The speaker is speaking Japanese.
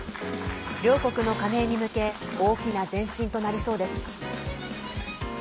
両国の加盟に向け大きな前進となりそうです。